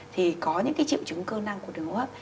thì có những triệu chứng cơ năng của đường hước